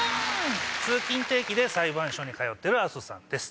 通勤定期で裁判所に通ってる阿曽さんです。